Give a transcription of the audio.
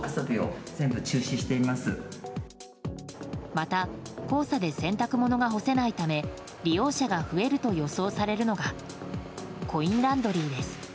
また黄砂で洗濯物が干せないため利用者が増えると予想されるのがコインランドリーです。